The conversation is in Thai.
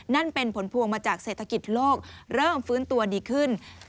นั่นเป็นผลพวงมาจากเศรษฐกิจโลกเริ่มฟื้นตัวดีขึ้น